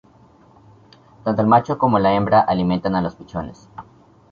Tanto el macho como la hembra alimentan a los pichones.